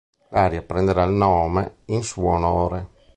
L'area prenderà il nome in suo onore.